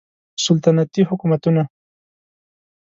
سلطنتي حکومتونه